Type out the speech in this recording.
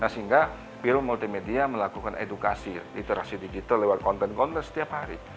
sehingga biro multimedia melakukan edukasi literasi digital lewat konten konten setiap hari